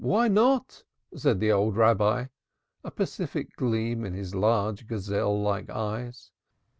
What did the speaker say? Why not?" said the old Rabbi, a pacific gleam in his large gazelle like eyes.